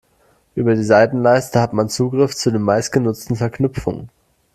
Über die Seitenleiste hat man Zugriff zu den meistgenutzten Verknüpfungen.